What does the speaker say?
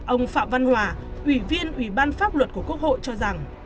ông phạm văn hòa ủy viên ủy ban pháp luật của quốc hội cho rằng